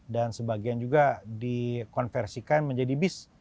dan sebagian juga dikonversikan menjadi bis